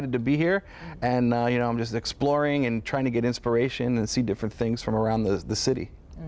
เป็นครั้งแรกหรือเปล่าที่คุณมาเมืองไทย